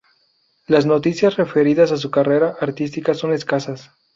Las noticias referidas a su carrera artística son escasas.